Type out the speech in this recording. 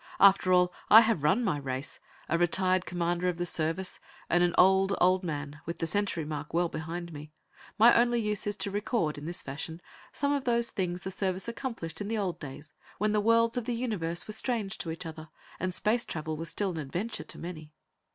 After all, I have run my race; a retired commander of the Service, and an old, old man, with the century mark well behind me, my only use is to record, in this fashion, some of those things the Service accomplished in the old days when the worlds of the Universe were strange to each other, and space travel was still an adventure to many.